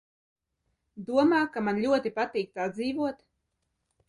Domā, ka man ļoti patīk tā dzīvot?